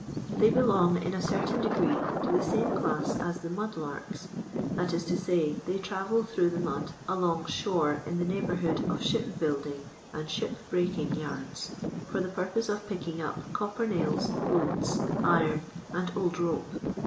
They belong, in a certain degree, to the same ckiss as the " mud larks," that is to say, they travel through the mud along shore in the neigh bourhood of ship building and ship breaking yards, for the purpose of picking up copper nails, bolts, iron, and old rope.